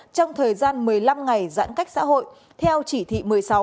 trong thời gian một mươi năm ngày giãn cách xã hội theo chỉ thị một mươi sáu